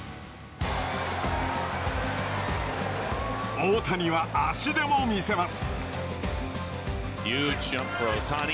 大谷は足でも見せます。